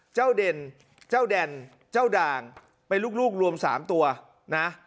เด่นเจ้าแดนเจ้าด่างเป็นลูกรวม๓ตัวนะ